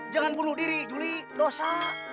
jangan bunuh diri juli dosa